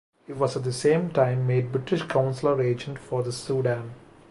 He was at the same time made British consular agent for the Sudan.